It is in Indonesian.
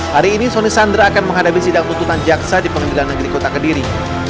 hari ini soni sandra akan menghadapi sidang tuntutan jaksa di pengadilan negeri kota kediri